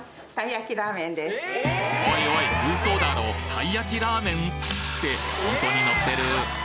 たい焼きラーメンってほんとにのってる